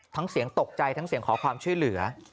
เสียงตกใจทั้งเสียงขอความช่วยเหลือ